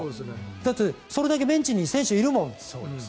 だってそれだけベンチに選手がいるもん。